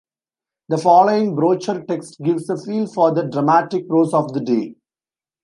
The following brochure text gives a feel for the dramatic prose of the day.